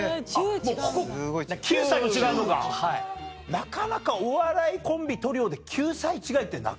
なかなかお笑いコンビトリオで９歳違いってなくない？